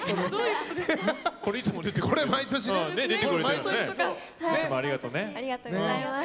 これ毎年出てくれてるし。